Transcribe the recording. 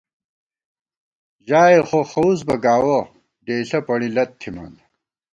ژائے خوخَوُس بہ گاوَہ، ڈېئیݪہ پݨیلَت تھِمان